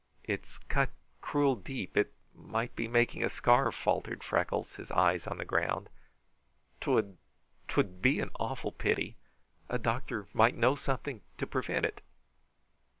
"It's cut cruel deep. It might be making a scar," faltered Freckles, his eyes on the ground. "'Twould 'twould be an awful pity. A doctor might know something to prevent it."